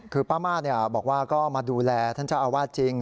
คือป้ามาสบอกว่าก็มาดูแลท่านเจ้าอาวาสจริง